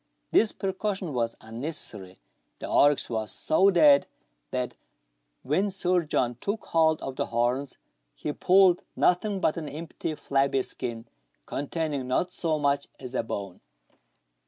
This precaution was unnecessary; the oryx was so dead, that when Sir John took hold of the horns, he pulled nothing but an empty flabby skin, contain ing not so much as a bone.